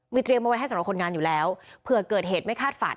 เตรียมเอาไว้ให้สำหรับคนงานอยู่แล้วเผื่อเกิดเหตุไม่คาดฝัน